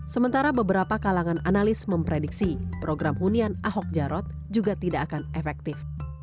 sementara beberapa kalangan analis memprediksi program hunian ahok jarot juga tidak akan efektif